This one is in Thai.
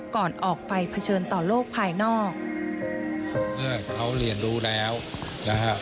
ก่อนออกไปเผชิญต่อโลกภายนอกเมื่อเขาเรียนรู้แล้วนะฮะ